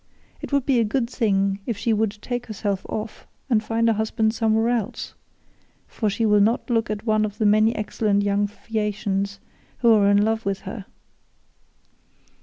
It would be a good thing if she would take herself off and find a husband somewhere else, for she will not look at one of the many excellent young Phaeacians who are in love with her.